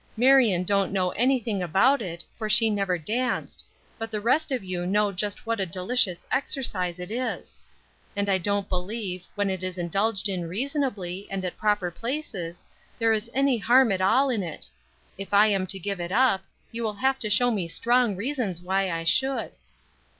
Marion don't know anything about it, for she never danced; but the rest of you know just what a delicious exercise it is; and I don't believe, when it is indulged in reasonably, and at proper places, there is any harm at all in it. If I am to give it up, you will have to show me strong reasons why I should."